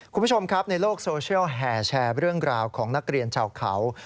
คุณผู้ชมครับในโลกโซเชียลแห่แชร์เรื่องราวของนักเรียนชาวเขา